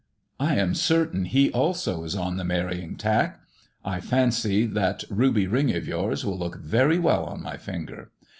I am certain he also is on the marrying tack. I fancy that ruby ring of yours will look very well on my finger.